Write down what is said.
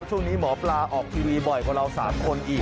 ช่วงนี้หมอปลาออกทีวีบ่อยกว่าเรา๓คนอีก